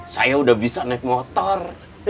saya udah bisa naik motor